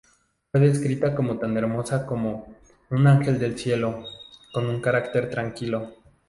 Fue descrita como tan hermosa como "un ángel del Cielo", con un carácter tranquilo.